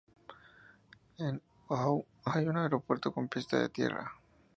En Wau hay un aeropuerto con pista de tierra.